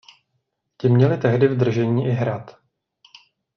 Ti měli tehdy v držení i hrad.